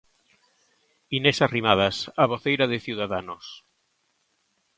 Inés Arrimadas, a voceira de Ciudadanos.